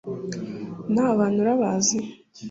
nawe abantu urabazi